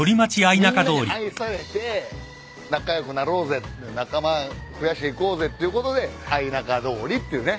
みんなに愛されて仲良くなろうぜ仲間増やしていこうぜっていうことで愛仲通りっていうね。